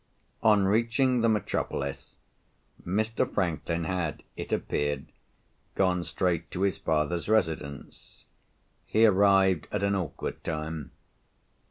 On reaching the metropolis, Mr. Franklin had, it appeared, gone straight to his father's residence. He arrived at an awkward time.